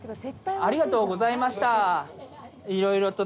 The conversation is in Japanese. ありがとうございます。